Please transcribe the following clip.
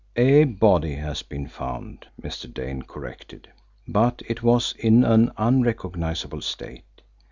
"A body has been found," Mr. Dane corrected, "but it was in an unrecognisable state.